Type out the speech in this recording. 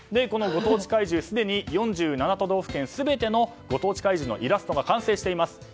このご当地怪獣すでに４７都道府県全てのご当地怪獣のイラストが完成しています。